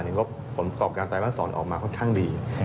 งบผลประกอบการไตรมาสรออกมาค่อนข้างดี